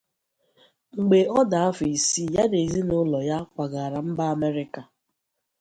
Mgbe ọ dị afọ isii, ya na ezinụlọ ya kwagara mba Amerịka.